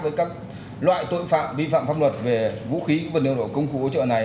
với các loại tội phạm vi phạm pháp luật về vũ khí vật liệu nổ công cụ hỗ trợ này